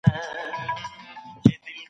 افغانان ټولنیزې طبقې ته وویشل شول.